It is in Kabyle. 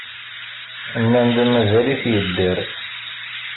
Nnan-d mazal-it yedder.